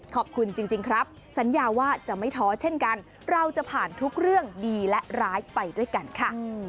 ขอบคุณจริงครับสัญญาว่าจะไม่ท้อเช่นกันเราจะผ่านทุกเรื่องดีและร้ายไปด้วยกันค่ะ